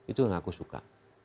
itu yang aku suka